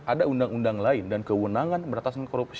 ada undang undang lain dan kewenangan beratasan korupsi